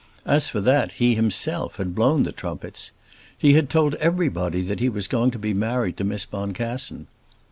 As for that he himself had blown the trumpets. He had told everybody that he was going to be married to Miss Boncassen.